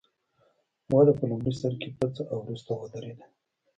وده په لومړي سر کې پڅه او وروسته ودرېده.